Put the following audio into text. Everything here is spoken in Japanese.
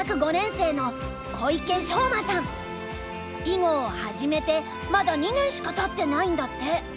囲碁を始めてまだ２年しかたってないんだって。